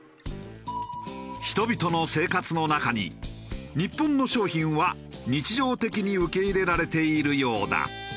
人々の生活の中に日本の商品は日常的に受け入れられているようだ。